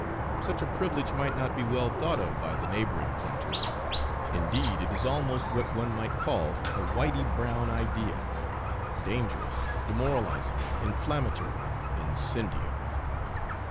Such a privilege might not be well thought of by the neighbouring planters; indeed, it is almost what one might call a whity brown idea, dangerous, demoralising, inflammatory, incendiary.